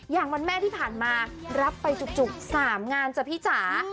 วันแม่ที่ผ่านมารับไปจุก๓งานจ้ะพี่จ๋า